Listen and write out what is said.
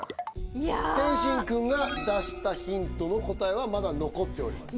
いや天心くんが出したヒントの答えはまだ残っております